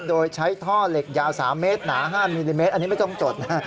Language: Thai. โดยใช้ท่อเหล็กยาว๓เมตรหนา๕มิลลิเมตรอันนี้ไม่ต้องจดนะ